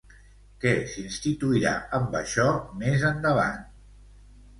Què s'instituirà amb això més endavant?